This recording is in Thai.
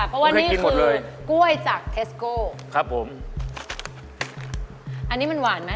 เพราะว่านี่คือกล้วยจากเทสโก้ครับผมอันนี้มันหวานไหม